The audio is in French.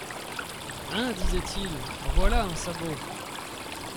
Hein! disait-il, en voilà, un sabot !...